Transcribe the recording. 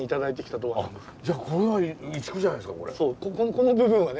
この部分はね。